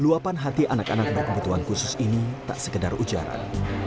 luapan hati anak anak berkebutuhan khusus ini tak sekedar ujaran